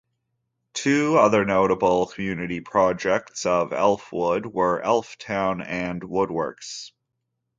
Two other notable community projects of Elfwood were Elftown and "Woodworks".